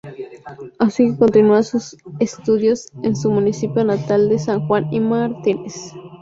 Así que continúa sus estudios en su municipio natal de San Juan y Martínez.